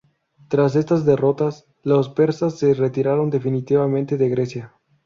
Tras estas derrotas, los persas se retiraron definitivamente de Grecia.